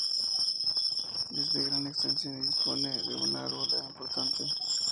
Es de gran extensión y dispone de una arboleda importante.